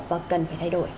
và cần phải thay đổi